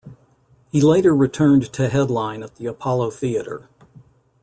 He later returned to headline at the Apollo Theater.